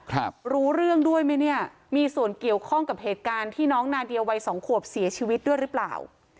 ครับรู้เรื่องด้วยไหมเนี่ยมีส่วนเกี่ยวข้องกับเหตุการณ์ที่น้องนาเดียวัยสองขวบเสียชีวิตด้วยหรือเปล่า